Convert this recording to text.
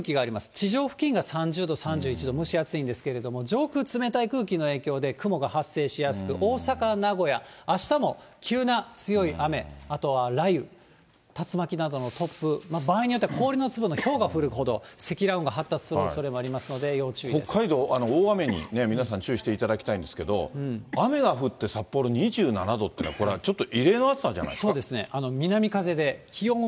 地上付近が３０度、３１度、蒸し暑いんですけれども、上空、冷たい空気の影響で雲が発生しやすく、大阪、名古屋、あしたも急な強い雨、あとは雷雨、竜巻などの突風、場合によっては氷の粒のひょうが降るほど積乱雲が発達するおそれ北海道、大雨に皆さん注意していただきたいんですけど、雨が降って、札幌２７度っていうのは、「キュキュット」